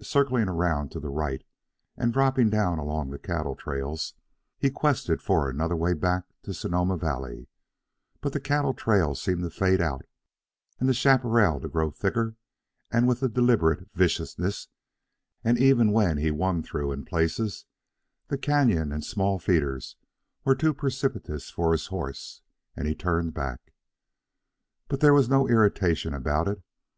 Circling around to the right and dropping down along the cattle trails, he quested for another way back to Sonoma Valley; but the cattle trails seemed to fade out, and the chaparral to grow thicker with a deliberate viciousness and even when he won through in places, the canon and small feeders were too precipitous for his horse, and turned him back. But there was no irritation about it.